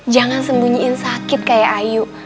jangan sembunyiin sakit kayak ayu